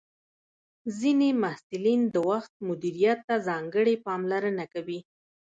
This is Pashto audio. ځینې محصلین د وخت مدیریت ته ځانګړې پاملرنه کوي.